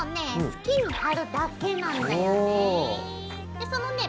好きに貼るだけなんだよね。